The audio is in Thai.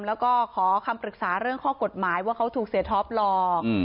แล้วก็ขอคำปรึกษาเรื่องข้อกฎหมายว่าเขาถูกเสียท็อปหลอก